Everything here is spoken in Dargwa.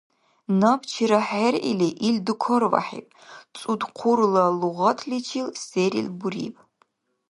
Набчира хӀеръили, ил дукарвяхӀиб, цӀудхъурла лугъатличил серил буриб.